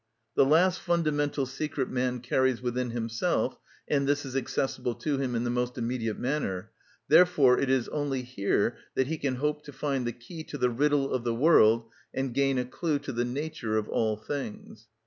The last fundamental secret man carries within himself, and this is accessible to him in the most immediate manner; therefore it is only here that he can hope to find the key to the riddle of the world and gain a clue to the nature of all things.